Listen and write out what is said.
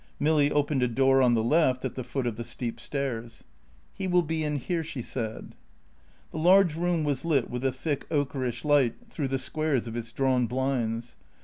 Milly opened a door on the left at the foot of the steep stairs. "He will be in here," she said. The large room was lit with a thick ochreish light through the squares of its drawn blinds.